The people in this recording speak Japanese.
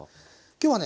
今日はね